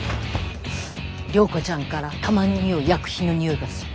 涼子ちゃんからたまににおう薬品のにおいがする。